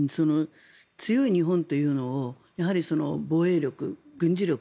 強い日本というのをやはり防衛力、軍事力